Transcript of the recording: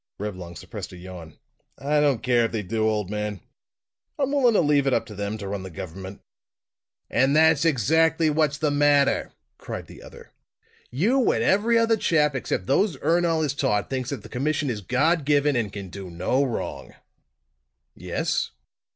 Reblong suppressed a yawn. "I don't care if they do, old man. I'm willing to leave it up to them to run the government." "And that's exactly what's the matter!" cried the other. "You and every other chap except those Ernol has taught, thinks that the commission is God given and can do no wrong!" "Yes?"